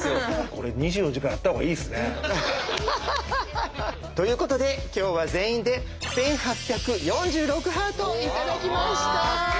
これ２４時間やった方がいいっすね。ということで今日は全員で１，８４６ハート頂きました。